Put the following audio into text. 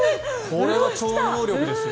これは超能力ですよ。